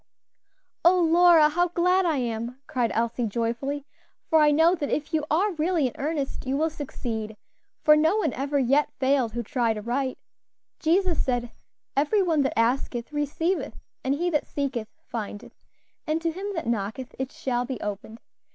"Oh, Lora, how glad I am!" cried Elsie, joyfully, "for I know that if you are really in earnest, you will succeed; for no one ever yet failed who tried aright. Jesus said, 'Every one that asketh, receiveth; and he that seeketh, findeth; and to him that knocketh, it shall be opened.'